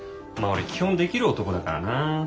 まあ俺基本できる男だからな。